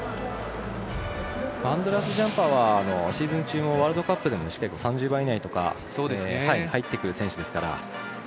アンドレアス・ジャンパはシーズン中もワールドカップでも、結構３０番以内とかに入ってくる選手ですから。